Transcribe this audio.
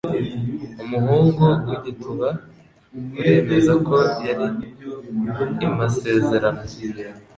Umuhungu-w'igituba? Uremeza ko yari i-masezerano.